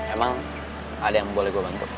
emang ada yang boleh gue bentuk